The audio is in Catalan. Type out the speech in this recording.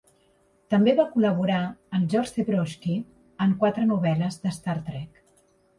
També va col·laborar amb George Zebrowski en quatre novel·les de Star Trek.